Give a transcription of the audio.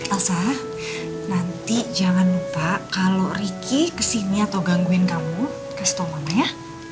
elsa nanti jangan lupa kalau ricky kesini atau gangguin kamu kasih tau mama ya